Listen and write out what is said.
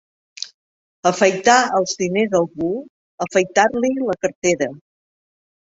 Afaitar els diners a algú, afaitar-li la cartera.